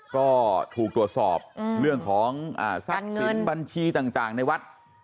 ก็ถูกตรวจสอบเรื่องของทรัพย์สินบัญชีต่างในวัด